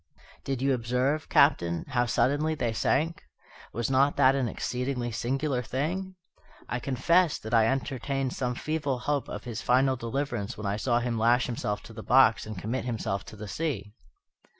"Did you observe, Captain, how suddenly they sank? Was not that an exceedingly singular thing? I confess that I entertained some feeble hope of his final deliverance when I saw him lash himself to the box and commit himself to the sea."